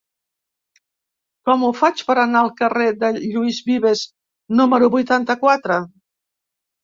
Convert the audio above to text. Com ho faig per anar al carrer de Lluís Vives número vuitanta-quatre?